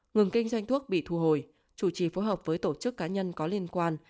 ngừng kinh doanh thuốc bị thu hồi chủ trì phối hợp với tổ chức cá nhân có liên quan